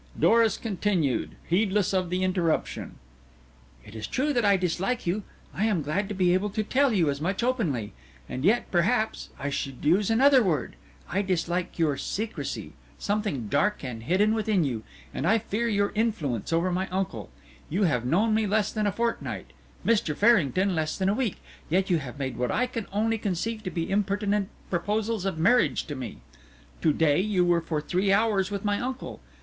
Doris continued, heedless of the interruption. "It is true that I dislike you. I am glad to be able to tell you as much openly. And yet, perhaps, I should use another word. I dislike your secrecy something dark and hidden within you and I fear your influence over my uncle. You have known me less than a fortnight Mr. Farrington, less than a week yet you have made what I can only conceive to be impertinent proposals of marriage to me. To day you were for three hours with my uncle.